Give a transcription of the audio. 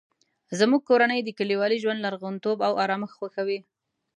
زموږ کورنۍ د کلیوالي ژوند لرغونتوب او ارامښت خوښوي